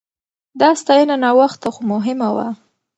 دا ستاينه ناوخته خو مهمه وه.